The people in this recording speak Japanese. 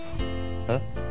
えっ？